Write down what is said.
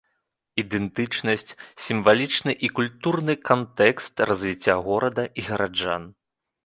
Ідэнтычнасць, сімвалічны і культурны кантэкст развіцця горада і гараджан.